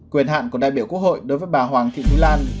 quyền hạn của đại biểu quốc hội đối với bà hoàng thị thúy lan